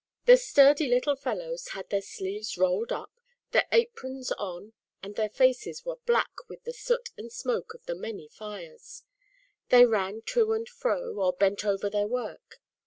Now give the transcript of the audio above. The sturdy little fellows had their sleeves rolled up, their aprons on and their faces were black with the soot and smoke of the many fires. They ran to and fro, or bent over their work.